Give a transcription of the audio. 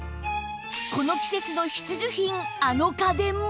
この季節の必需品あの家電も